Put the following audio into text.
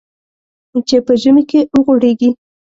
چې په ژمي کې وغوړېږي .